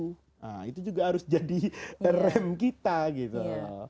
nah itu juga harus jadi rem kita gitu loh